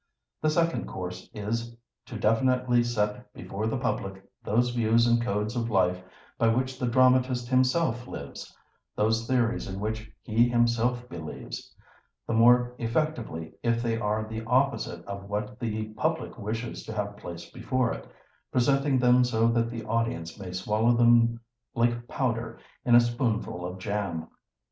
The second course is: To definitely set before the public those views and codes of life by which the dramatist himself lives, those theories in which he himself believes, the more effectively if they are the opposite of what the public wishes to have placed before it, presenting them so that the audience may swallow them like powder in a spoonful of jam.